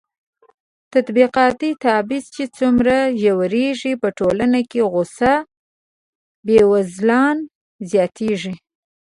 طبقاتي تبعيض چې څومره ژورېږي، په ټولنه کې غوسه بېوزلان زياتېږي.